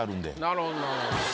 なるほどなるほど。